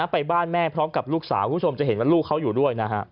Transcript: ไปบ้านแม่พร้อมกับลูกสาวคุณผู้ชมจะเห็นว่าลูกเขาอยู่ด้วยนะฮะ